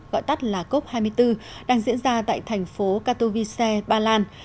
gọi tắt là cop hai mươi bốn đang diễn ra tại thành phố katowise ba lan